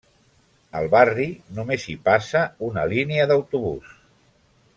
Al barri només hi passa una línia d'autobús.